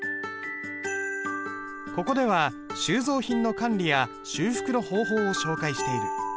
ここでは収蔵品の管理や修復の方法を紹介している。